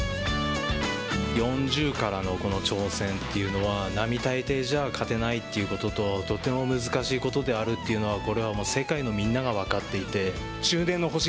４０からのこの挑戦というのは、並大抵じゃ勝てないということととても難しいことであるというのはこれは世界のみんなが分かっていて。